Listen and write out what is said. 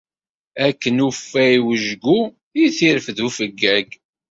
Akken ufay wejgu, i t-irfed ufeggag.